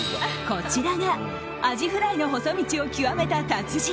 こちらがアジフライの細道を極めた達人